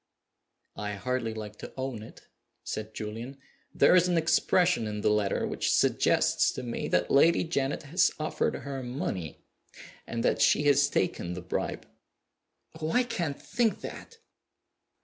"I hardly like to own it," said Julian. "There is an expression in the letter which suggests to me that Lady Janet has offered her money, and that she has taken the bribe." "Oh, I can't think that!"